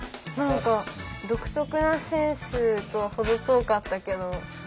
何か独特なセンスとは程遠かったけど。